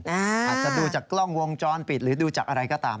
อาจจะดูจากกล้องวงจรปิดหรือดูจากอะไรก็ตาม